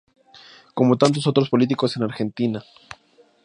Como tantos otros políticos en Argentina.